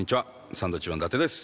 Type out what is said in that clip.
サンドウィッチマン伊達です。